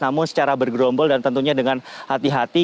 namun secara bergerombol dan tentunya dengan hati hati